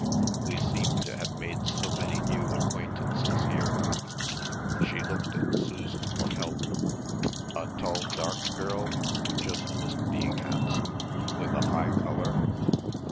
We seem to have made so many new acquaintances here." She looked at Susan for help. "A tall dark girl, who just missed being handsome, with a high colour?"